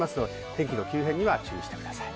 天気の急変にご注意ください。